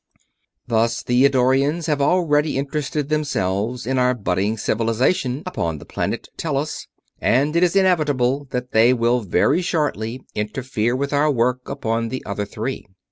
"Thus the Eddorians have already interested themselves in our budding Civilization upon the planet Tellus, and it is inevitable that they will very shortly interfere with our work upon the other three.